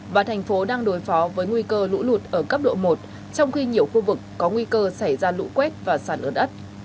và thành phố đang đối phó với nguy cơ lũ lụt ở cấp độ một trong khi nhiều khu vực có nguy cơ xảy ra lũ quét và sạt ơn đất